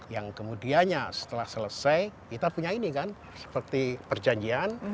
yang kemudiannya setelah selesai kita punya ini kan seperti perjanjian